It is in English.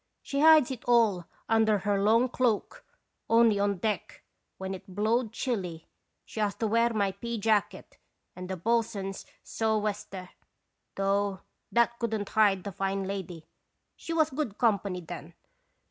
She hides it all under her long cloak, only on deck, when it blowed chilly, she has to wear my pea jacket and the bo'sun's sou'wester ; though that couldn't hide the fine lady. She was good company then.